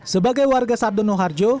sebagai warga sardono harjo